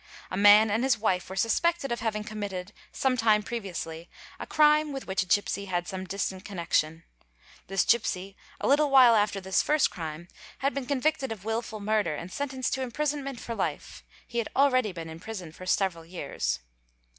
A man and his wife were suspected of having committed, some time previously, a crime with which a gipsy had some distant connection. This gipsy, a little while after this first crime, had been convicted of wilful murder and sentenced to imprisonment for life: he had already been imprisoned for several years.